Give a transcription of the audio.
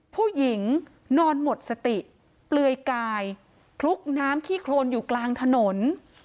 ผู้หญิงนอนหมดสติเปลือยกายคลุกน้ำขี้โครนอยู่กลางถนน